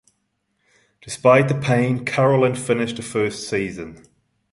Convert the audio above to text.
Despite the pain, Carolyn finished the first season.